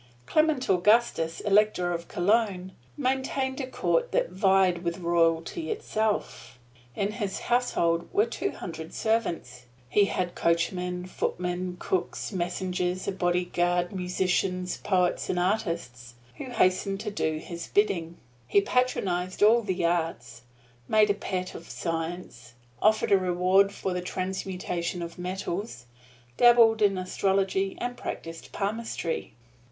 Clement Augustus, Elector of Cologne, maintained a court that vied with royalty itself. In his household were two hundred servants. He had coachmen, footmen, cooks, messengers, a bodyguard, musicians, poets and artists who hastened to do his bidding. He patronized all the arts, made a pet of science, offered a reward for the transmutation of metals, dabbled in astrology and practised palmistry.